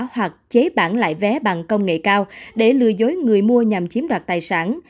hoặc chế bản lại vé bằng công nghệ cao để lừa dối người mua nhằm chiếm đoạt tài sản